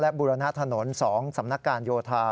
และบุรณฑ์ถนน๒สำนักการยวทา